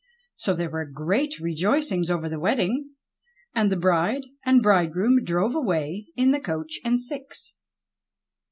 So there were great rejoicings over the wedding, and the bride and bridegroom drove away in the coach and six.